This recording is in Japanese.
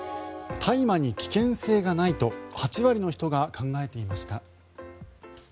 大麻に危険性がないと８割の人が考えていました。